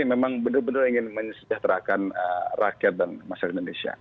memang benar benar ingin menyejahterakan rakyat dan masyarakat indonesia